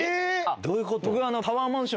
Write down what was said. ⁉どういうこと？